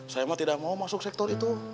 saya mau tidak mau masuk sektor itu